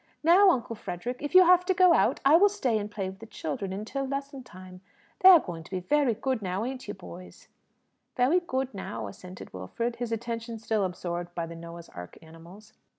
"Now, Uncle Frederick, if you have to go out, I will stay and play with the children, until lesson time. They are going to be very good now; ain't you, boys?" "Ve'y good now," assented Wilfred, his attention still absorbed by the Noah's Ark animals.